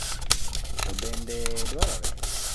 To bende dwarore